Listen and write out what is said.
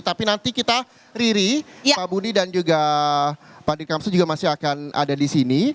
tapi nanti kita riri pak budi dan juga pak dikamsa juga masih akan ada di sini